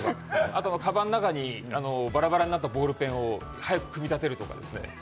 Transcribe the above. あとかばんの中にぼろぼろになったボールペンを早く組み立てるですとかね。